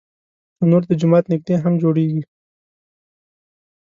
تنور د جومات نږدې هم جوړېږي